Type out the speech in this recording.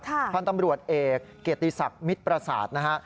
คุณตำรวจเอกเกตตีศักดิ์มิตรประสาทนะฮะ